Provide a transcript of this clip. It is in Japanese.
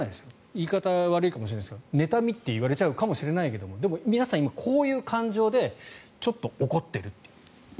言い方は悪いかもしれませんが妬みといわれるかもしれないけど皆さん今、こういう感情でちょっと怒ってるという。